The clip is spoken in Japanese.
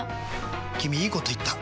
君いいこと言った！